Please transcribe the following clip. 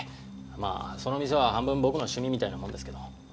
まあその店は半分僕の趣味みたいなもんですけど。